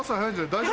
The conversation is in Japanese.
大丈夫？